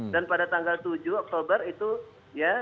dan pada tanggal tujuh oktober itu ya